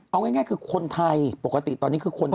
เอาง่ายคือคนไทยปกติตอนนี้คือคนไทย